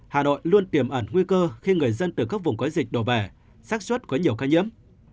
hà nội luôn tiềm ẩn nguy cơ khi người dân từ các vùng có dịch đổ về sát xuất có nhiều ca nhiễm